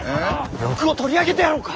禄を取り上げてやろうか。